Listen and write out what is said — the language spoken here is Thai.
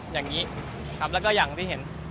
อย่างนี้ครับแล้วก็อย่างที่เห็น